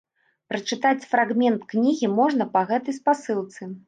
Прачытаць фрагмент кнігі можна па гэтай спасылцы.